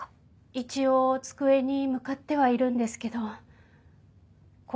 一応机に向かってはいるんですけど心